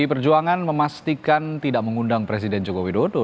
pdi perjuangan memastikan tidak mengundang presiden joko widodo